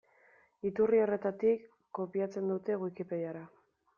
Iturri horretatik kopiatzen dute Wikipediara.